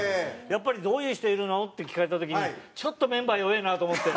やっぱりどういう人いるの？って聞かれた時にちょっとメンバー弱えなと思って。